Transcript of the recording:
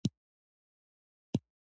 نمک د افغانستان د امنیت په اړه هم اغېز لري.